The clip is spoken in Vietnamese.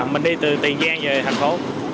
mình đi từ tiền giang về thành phố